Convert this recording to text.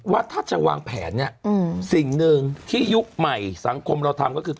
ว่าถ้าจะวางแผนเนี่ยสิ่งหนึ่งที่ยุคใหม่สังคมเราทำก็คือ